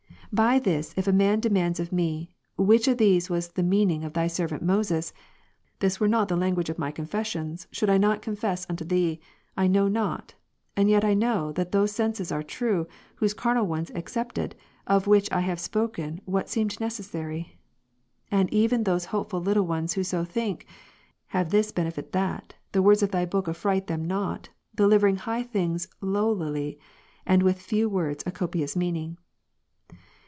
By this if a man demands of me, "which of these was the meaning of Thy servant Moses ;" this were not the language of my Confessions, should I not confess unto Thee, " I know not ;" and yet I know that those senses are true, those carnal ones excepted, of which I have spoken what seemed necessary. And even those hopeful little ones who so think, [have this benefit that] the words of Thy Book af fright them not, delivering high things lowlily, and with few words a copious meaning.